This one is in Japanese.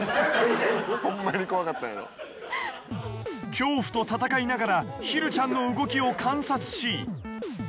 恐怖と戦いながらひるちゃんの動きを観察し。